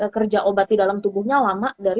kerja obat di dalam tubuhnya lama dari